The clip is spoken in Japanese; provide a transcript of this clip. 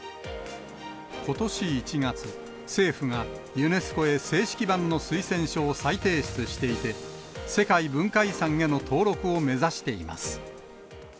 ことし１月、政府がユネスコへ正式版の推薦書を再提出していて、世界文化遺産への登録を目指しています。